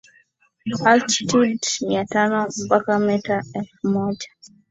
altitude mia tano mpaka meta elfu moja